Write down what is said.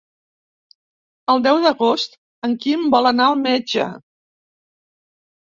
El deu d'agost en Quim vol anar al metge.